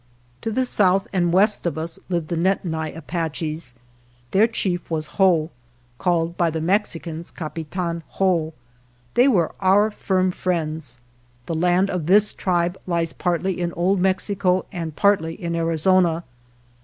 To the south and west of us lived the Ned ni Apaches. Their chief was Whoa, called by the Mexicans Capitan Whoa. They were our firm friends. The land of this tribe lies partly in Old Mexico and partly in Arizona.